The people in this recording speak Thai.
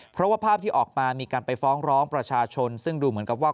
เพราะว่าภาพที่ออกมามีการไปฟ้องร้องประชาชนซึ่งดูเหมือนกับว่า